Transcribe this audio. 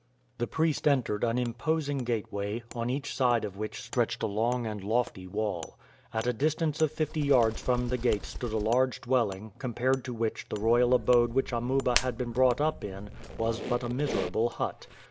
The priest entered an imposing gateway, on each side of which stretched a long and lofty wall. At a distance of fifty yards from the gate stood a large dwelling, compared to which the royal abode which Amuba had been brought up in was but a miserable hut.